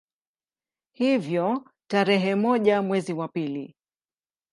Hivyo tarehe moja mwezi wa pili